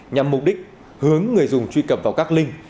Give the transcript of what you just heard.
nhằm mục đích hướng người dùng truy cập vào các link